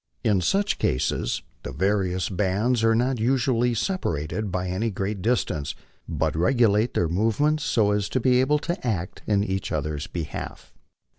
In such cases the various bands are not usually separated by any great distance, but regulate their movements so as to be able to act in each other's behalf.